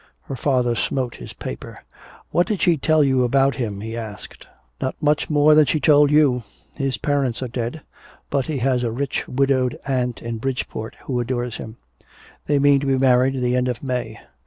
Her father smote his paper. "What did she tell you about him?" he asked. "Not much more than she told you. His parents are dead but he has a rich widowed aunt in Bridgeport who adores him. They mean to be married the end of May.